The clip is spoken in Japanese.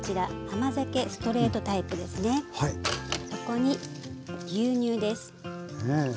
そこに牛乳です。